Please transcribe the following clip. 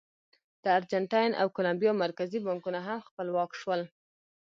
د ارجنټاین او کولمبیا مرکزي بانکونه هم خپلواک شول.